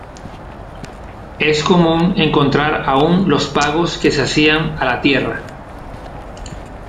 Es común encontrar aún los pagos que se hacían a la tierra.